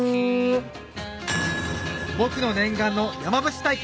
僕の念願の山伏体験！